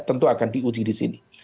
tentu akan diuji di sini